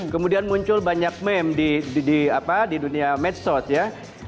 kemudian muncul banyak meme di dunia medsos ya